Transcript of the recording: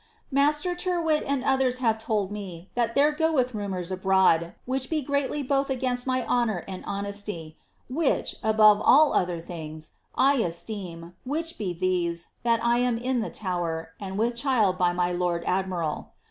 Master Tyrwhit and others have told me that there goeth nmionrs abroad which be greatly both against my honour and honesty, which, above all odier things, I e»teem, which be these, that I am in the Tower, and with child by waj lord admiral.